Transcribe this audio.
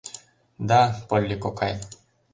— Да, Полли кокай.